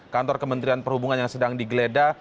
kantor kementerian perhubungan yang sedang digeledah